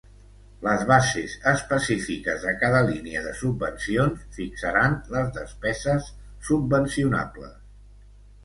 Les bases específiques de cada línia de subvencions fixaran les despeses subvencionables.